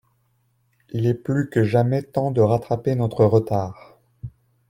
Il est plus que jamais temps de rattraper notre retard.